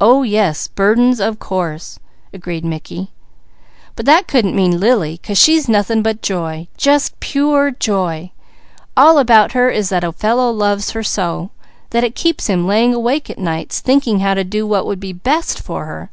"Oh yes! 'Burdens,' of course!" agreed Mickey. "But that couldn't mean Lily, 'cause she's nothing but joy! Just pure joy! All about her is that a fellow loves her so, that it keeps him laying awake at nights thinking how to do what would be best for her.